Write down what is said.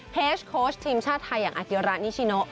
เฮสโค้ชทีมชาติไทยอย่างอาเกียระนิชิโน